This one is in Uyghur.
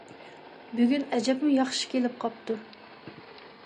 بۈگۈن ئەجەبمۇ ياخشى كېلىپ قاپتۇ.